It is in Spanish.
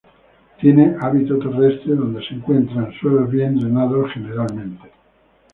Tiene hábito terrestre donde se encuentra en suelos bien drenados generalmente.